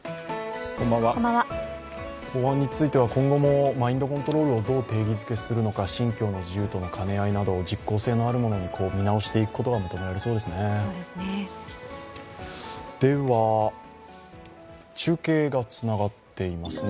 法案については今後もマインドコントロールをどう定義づけするのか、信教の自由との兼ね合いなど、実効性のあるものに見直していくことが求められそうですね。